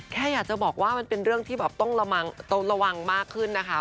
แค่อยากจะบอกว่ามันเป็นเรื่องที่แบบต้องระวังมากขึ้นนะคะ